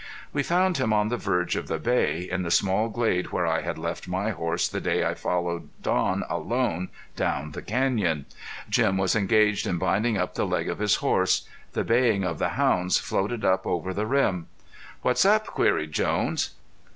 We found him on the verge of the Bay, in the small glade where I had left my horse the day I followed Don alone down the canyon. Jim was engaged in binding up the leg of his horse. The baying of the hounds floated up over the rim. "What's up?" queried Jones.